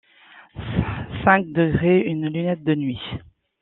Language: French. cinq degré Une lunette de nuit.